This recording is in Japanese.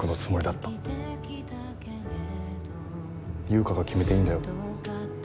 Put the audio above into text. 優香が決めていいんだよ